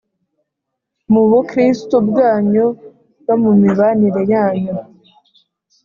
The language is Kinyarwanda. mu bukristubwanyu no mu mibanire yanyu